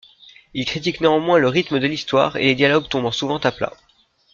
Il critique néanmoins le rythme de l'histoire et les dialogues tombant souvent à plat.